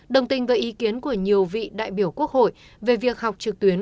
đồng tình với ý kiến của nhiều vị đại biểu quốc hội về việc học trực tuyến